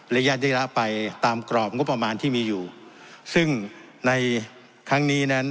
ระยะไปตามกรอบงบประมาณที่มีอยู่ซึ่งในครั้งนี้นั้น